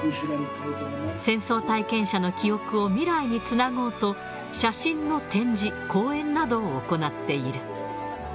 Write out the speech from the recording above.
戦争体験者の記憶を未来につなごうと、写真の展示、講演などを行っている。